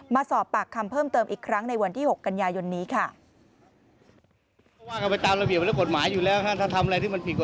มาสอบปากคำเพิ่มเติมอีกครั้งในวันที่๖กันยายนนี้ค่ะ